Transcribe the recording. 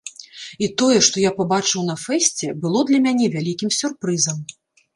І тое, што я пабачыў на фэсце, было для мяне вялікім сюрпрызам.